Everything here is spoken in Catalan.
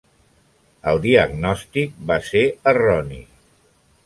El diagnòstic va ser erroni.